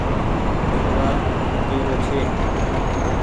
ٻٽوآ ڪيرو ڇي۔